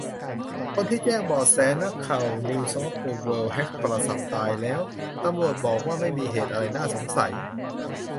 คนที่แจ้งเบาะแสว่านักข่าวนิวส์ออฟเดอะเวิลด์แฮ็กโทรศัพท์ ตายแล้ว ตำรวจบอกว่าไม่มีเหตุอะไรน่าสงสัย